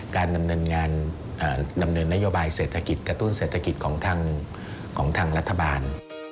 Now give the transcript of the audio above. การดำเนินงานดำเนินนโยบายเศรษฐกิจกระตุ้นเศรษฐกิจของทางรัฐบาล